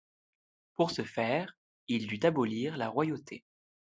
Pour ce faire, il dut abolir la royauté.